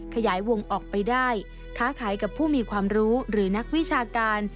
ขยายวงออกไปได้ค้าขายกับผู้มีความรู้หรือนักวิชาการ